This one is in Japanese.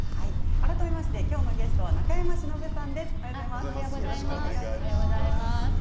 改めましてきょうのゲストは中山忍さんです。